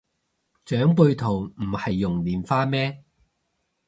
長輩圖唔係用蓮花咩